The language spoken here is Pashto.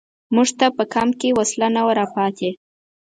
موږ ته په کمپ کې وسله نه وه را پاتې.